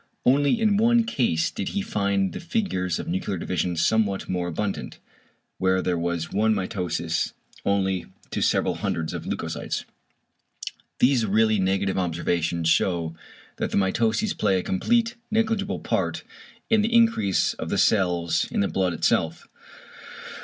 Only in one case did he find the figures of nuclear division somewhat more abundant, where there was one mitosis only to several hundreds of leucocytes. These really negative observations shew that the mitoses play a completely negligeable part in the increase of the cells in the blood itself.